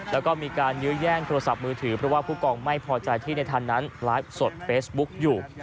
แล้วก็มีการยื้อแย่งโทรศัพท์มือถือเพราะว่าผู้กองไม่พอใจที่ในทันนั้นไลฟ์สดเฟซบุ๊กอยู่